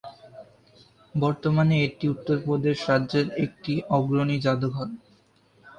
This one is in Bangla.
বর্তমানে এটি উত্তরপ্রদেশ রাজ্যের একটি অগ্রণী জাদুঘর।